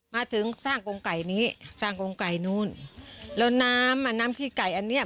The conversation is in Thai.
มาถึงสร้างกงไก่นี้สร้างกงไก่นู้นแล้วน้ำอ่ะน้ำขี้ไก่อันเนี้ย